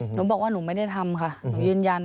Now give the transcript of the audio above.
หนูบอกว่าหนูไม่ได้ทำค่ะหนูยืนยัน